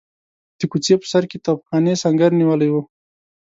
د کوڅې په سر کې توپخانې سنګر نیولی وو.